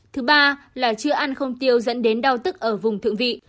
thứ ba là chưa ăn không tiêu dẫn đến đau tức ở vùng thượng vị